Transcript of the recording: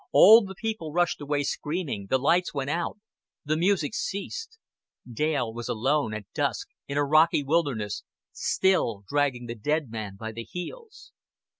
All the people rushed away screaming, the lights went out, the music ceased: Dale was alone, at dusk, in a rocky wilderness, still dragging the dead man by the heels.